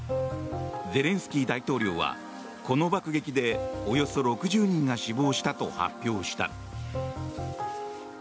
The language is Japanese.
ゼレンスキー大統領はこの爆撃でおよそ６０人が死亡したと発表した。